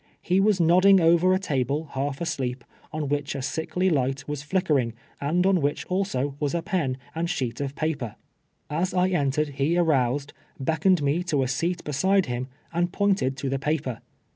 He was nodding over a table, half asleep, on which a sickly light was flick ei'ing, and on which also was a pen and sheet of pa per. As I entered he aroused, beckoned me to a seat beside him, and pointed to the paper.